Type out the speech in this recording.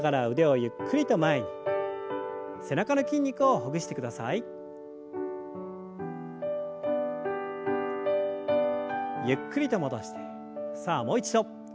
ゆっくりと戻してさあもう一度。